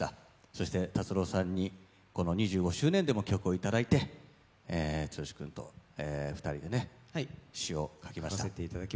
そして達郎さんにこの２５周年でも曲をいただいて、剛君と２人で詩を書きました。